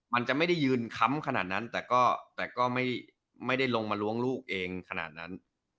มันจะไม่ได้ยืนค้ำขนาดนั้นแต่ก็ไม่ได้ลงมาล้วงลูกเองขนาดนั้น